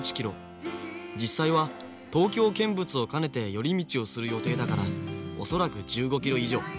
実際は東京見物を兼ねて寄り道をする予定だから恐らく１５キロ以上。